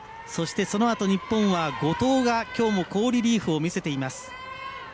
そのあと日本は後藤がきょうも好リリーフを見せ付けています。